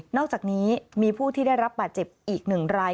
อกจากนี้มีผู้ที่ได้รับบาดเจ็บอีก๑ราย